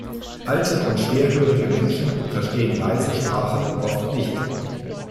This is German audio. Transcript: Alte und schwerhörige Menschen verstehen leise Sprache oft nicht.